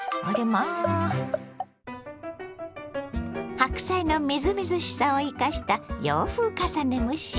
白菜のみずみずしさを生かした洋風重ね蒸し。